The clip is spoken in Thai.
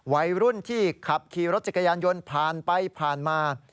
วัยรุ่นที่ขับขี่รถจักรยานยนต์ผ่านไปผ่านมา